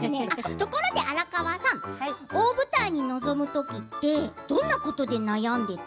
ところで荒川さん大舞台に臨むときってどんなことで悩んでいた？